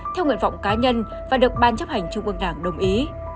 theo nguyện vọng cá nhân và được ban chấp hành trung ương đảng đồng ý